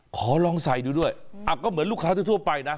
ขอลองใส่ดูด้วยก็เหมือนลูกค้าทั่วไปนะ